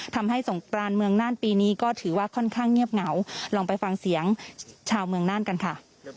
สงกรานเมืองน่านปีนี้ก็ถือว่าค่อนข้างเงียบเหงาลองไปฟังเสียงชาวเมืองน่านกันค่ะ